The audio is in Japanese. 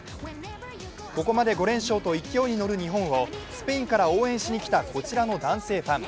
ここまで５連勝と勢いに乗る日本をスペインから応援しにきたこちらの男性ファン。